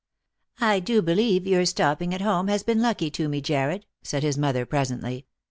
" I do believe your stopping at home has been lucky to me, Jarred," said his mother presently.